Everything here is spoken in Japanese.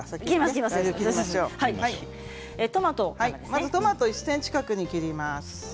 まずトマトを１ｃｍ角に切ります。